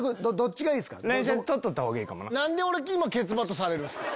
何でケツバットされるんすか？